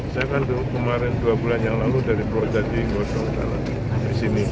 saya kan kemarin dua bulan yang lalu dari purwodadi ke sini